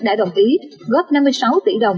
đã đồng ý góp năm mươi sáu tỷ đồng